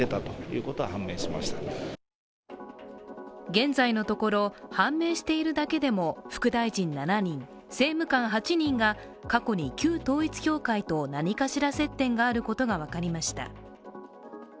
現在のところ、判明しているだけでも副大臣７人、政務官８人が過去に旧統一教会と何かしら接点があることが分かりました。